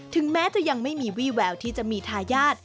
ถึงแม้จะยังไม่มีวี่แววที่จะมีทายาท